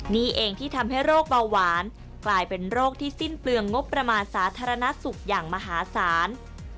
นี่เองที่ทำให้โรคเบาหวานกลายเป็นโรคที่สิ้นเปลืองงบประมาณสาธารณสุขอย่างมหาศาล